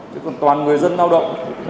chứ còn toàn người dân lao động